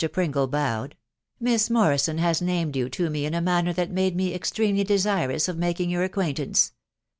Pringle bowed) .... Miss Mor rison has named you to me in a manner that made me ex tremely desirous of making your acquaintance.